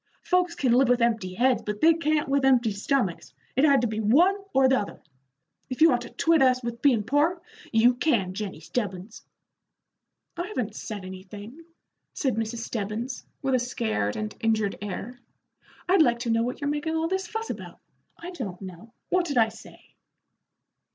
Folks can live with empty heads, but they can't with empty stomachs. It had to be one or the other. If you want to twit us with bein' poor, you can, Jennie Stebbins." "I haven't said anything," said Mrs. Stebbins, with a scared and injured air. "I'd like to know what you're making all this fuss about? I don't know. What did I say?"